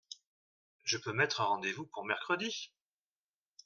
Je peux mettre un rendez-vous pour mercredi ?